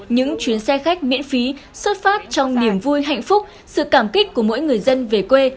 những chuyến xe khách miễn phí xuất phát trong niềm vui hạnh phúc sự cảm kích của mỗi người dân về quê